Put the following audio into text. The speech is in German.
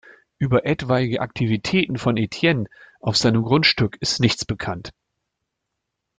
Über etwaige Aktivitäten von Etienne auf seinem Grundstück ist nichts bekannt.